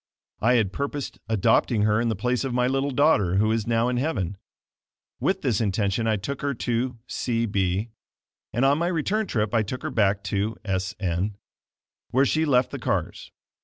I had purposed adopting her in the place of my little daughter who is now in heaven. With this intention I took her to C b, and on my return trip I took her back to S n, where she left the cars.